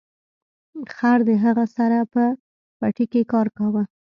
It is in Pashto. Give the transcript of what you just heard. خر د هغه سره په پټي کې کار کاوه.